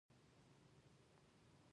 هر ژبه پکې حق لري